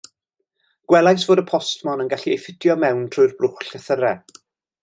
Gwelais fod y postmon yn gallu ei ffitio mewn trwy'r blwch llythyrau.